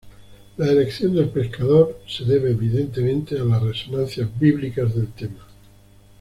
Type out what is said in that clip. La elección del pescador se debe evidentemente, a las resonancias bíblicas del tema.